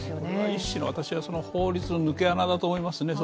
一種の法律の抜け穴だと思いますね。